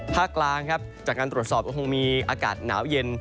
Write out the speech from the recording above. ภาคกลางครับจากการตรวจสอบก็คงมีอากาศหนาวเย็น